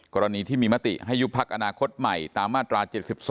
กรณีที่มีมติให้ยุบพักอนาคตใหม่ตามมาตรา๗๒